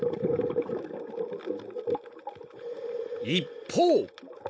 ［一方］